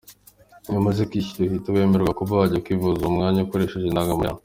Iyo umaze kwishyura uhita wemererwa kuba wajya kwivuza uwo mwanya ukoresheje Indangamuntu yawe.